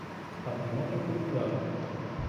Patrimonio cultural.